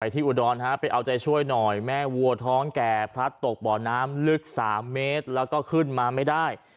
ที่อุดรไปเอาใจช่วยหน่อยแม่วัวท้องแก่พลัดตกบ่อน้ำลึก๓เมตรแล้วก็ขึ้นมาไม่ได้